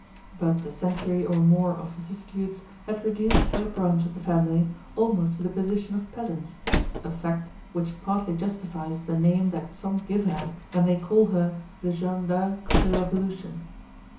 But a century or more of vicissitudes had reduced her branch of the family almost to the position of peasants a fact which partly justifies the name that some give her when they call her "the Jeanne d'Arc of the Revolution."